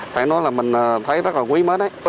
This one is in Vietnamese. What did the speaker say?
phải nói là mình thấy rất là quý mất